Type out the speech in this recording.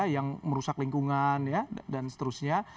yang merusak lingkungan dan seterusnya